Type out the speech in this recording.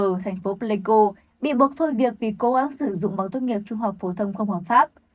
ở thành phố pleiko bị buộc thôi việc vì cố gắng sử dụng bằng tốt nghiệp trung học phổ thông không hợp pháp